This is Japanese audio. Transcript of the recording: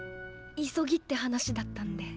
急ぎって話だったので。